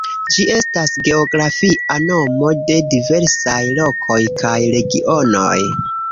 Ĝi estas geografia nomo de diversaj lokoj kaj regionoj.